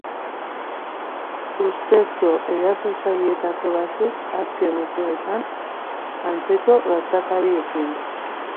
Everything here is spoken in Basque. Ustezko erasotzaileetako batzuk azken urteetan antzeko gertakariekin erlazionatuta zeudela ondorioztatu zuten.